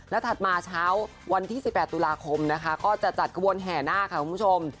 ถัดมาเช้าวันที่๑๘ตุลาคมนะคะก็จะจัดกระบวนแห่นาคค่ะคุณผู้ชม